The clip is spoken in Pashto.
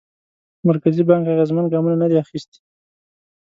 مرکزي بانک اغېزمن ګامونه ندي اخیستي.